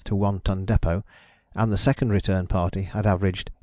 to One Ton Depôt; and the Second Return Party had averaged 11.